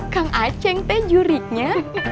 kang aceng juriknya